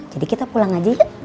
jadi kita pulang aja yuk